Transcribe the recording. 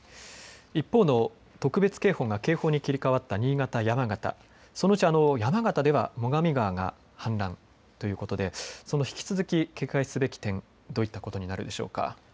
一方の特別警報が警報に切り替わった新潟、山形、そのうち山形では最上川が氾濫ということで引き続き警戒すべき点、どういったことになるでしょうか。